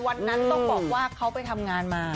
วันนั้นต้องบอกว่าเขาไปทำงานมา